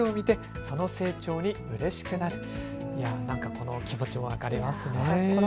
この気持ちも分かりますね。